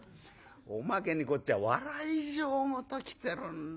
おまけにこっちは笑い上戸ときてるんだよ。